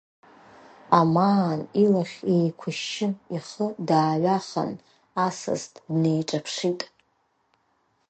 Амаан илахь еиқәшьшьы ихы дааҩахан, Асас днеиҿаԥшит.